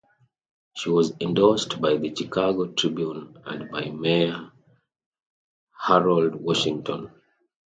She was endorsed by the Chicago Tribune and by Mayor Harold Washington.